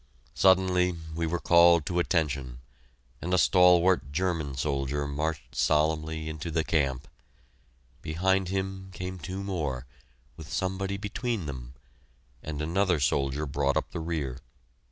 Suddenly we were called to attention, and a stalwart German soldier marched solemnly into the camp. Behind him came two more, with somebody between them, and another soldier brought up the rear.